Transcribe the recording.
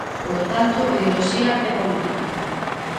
Polo tanto, ideoloxía e política.